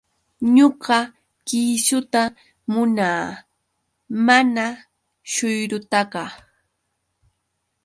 Ñuqa kiisuta munaa, mana shuyrutaqa.